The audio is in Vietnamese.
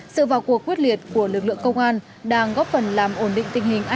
sự vào cuộc quyết liệt của lực lượng công an